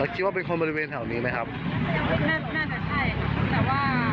แล้วคิดว่าเป็นคนบริเวณแถวนี้ไหมครับน่าจะใช่แต่ว่าไม่แน่ใจดี